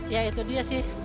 ya itu dia sih